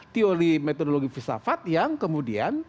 teori metodologi filsafat yang kemudian